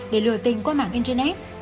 để lừa tình qua mạng internet